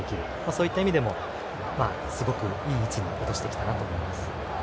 そういった意味でもすごく、いい位置に落としてきたと思います。